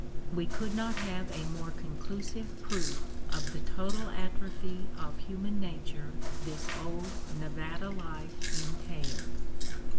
We could not have a more conclusive proof of the total atrophy of human nature this old Nevada life entailed.